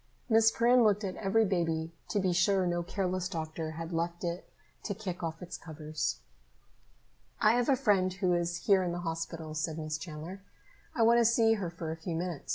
Miss Perrin looked at every baby to be sure no careless doctor had left it to kick off its covers. "I have a friend who is here in the hospital," said Miss Chandler. "I want to see her for a few minutes.